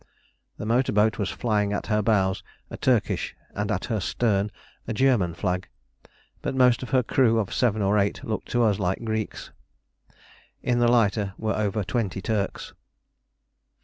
The motor boat was flying at her bows a Turkish and at her stern a German flag, but most of her crew of seven or eight looked to us like Greeks. In the lighter were over twenty Turks.